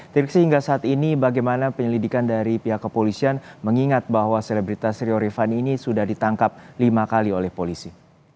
triksi hingga saat ini bagaimana penyelidikan dari pihak kepolisian mengingat bahwa selebritas rio rifany ini sudah ditangkap lima kali oleh polisi